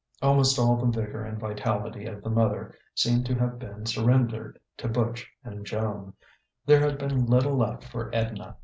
Almost all the vigour and vitality of the mother seemed to have been surrendered to Butch and Joan; there had been little left for Edna.